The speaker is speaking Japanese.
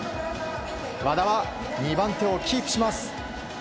和田は２番手をキープします。